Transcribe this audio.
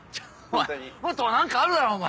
もっと何かあるだろお前。